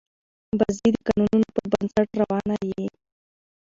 بازي د قانونونو پر بنسټ روانه يي.